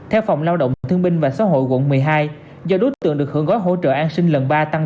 theo phòng lao động và thương binh và xã hội quận một mươi hai do đối tượng được hưởng gói hỗ trợ an sinh lần ba tăng